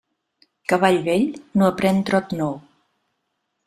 Cavall vell no aprén trot nou.